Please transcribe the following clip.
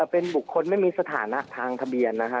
เป็นบุคคลไม่มีสถานะทางทะเบียนนะฮะ